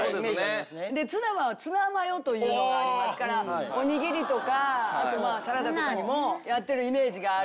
でツナはツナマヨというのがありますからおにぎりとかあとまぁサラダとかにもやってるイメージがある。